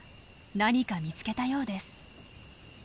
何か見つけたようです。